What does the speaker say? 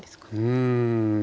うん。